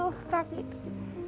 duduk di tempat sininya ya